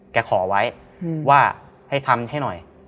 ขอไว้ว่าให้ทำให้หน่อย